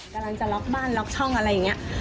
กำลังจะล็อกบ้านล็อกช่องอะไรอย่างนี้